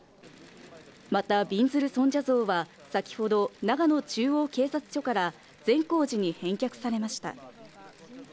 また、びんずる尊者像は先ほど長野中央警察署から善光寺に返却されました。